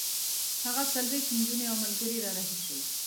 هغه څلوېښت نجونې او ملګري را رهي شول.